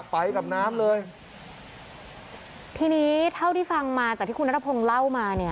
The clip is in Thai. ไปกับน้ำเลยทีนี้เท่าที่ฟังมาจากที่คุณนัทพงศ์เล่ามาเนี่ย